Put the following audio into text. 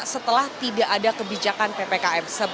setelah tidak ada kebijakan ppkm